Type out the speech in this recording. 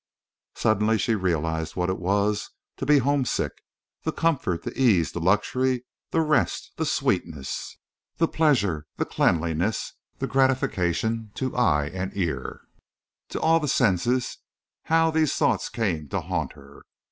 Suddenly she realized what it was to be homesick. The comfort, the ease, the luxury, the rest, the sweetness, the pleasure, the cleanliness, the gratification to eye and ear—to all the senses—how these thoughts came to haunt her!